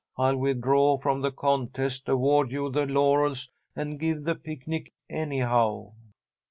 I'll withdraw from the contest, award you the laurels, and give the picnic, anyhow."